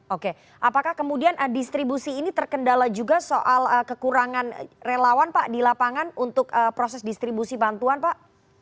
oke apakah kemudian distribusi ini terkendala juga soal kekurangan relawan pak di lapangan untuk proses distribusi bantuan pak